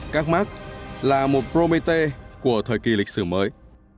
các mark là một promete của thời kỳ lịch sử mới